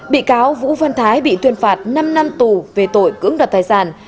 bị cáo vũ văn thái bị tuyên phạt năm năm tù về tội cưỡng đoạt tài sản